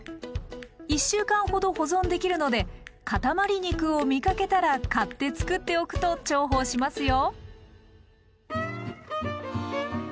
１週間ほど保存できるので塊肉を見かけたら買ってつくっておくと重宝しますよ。